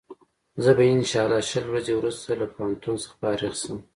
زه به انشا الله شل ورځې وروسته له پوهنتون څخه فارغ شم.